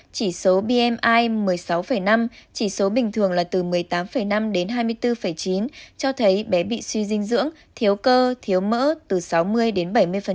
chỉ số bmi một mươi sáu năm chỉ số bình thường là từ một mươi tám năm đến hai mươi bốn chín cho thấy bé bị suy dinh dưỡng thiếu cơ thiếu mỡ từ sáu mươi đến bảy mươi